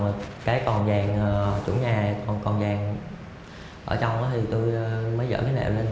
còn cái còn vàng chủ nhà còn vàng ở trong đó thì tôi mới dỡ cái nẹo lên